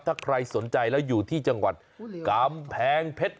ถ้าใครสนใจแล้วอยู่ที่จังหวัดกำแพงเพชร